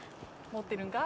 持ってるんか？